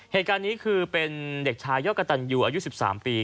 เหตุการณ์นี้คือเป็นเด็กชายอกกระตันยูอายุ๑๓ปี